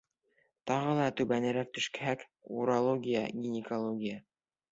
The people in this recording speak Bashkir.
Тағы ла түбәнерәк төшһәк, урология, гинекология...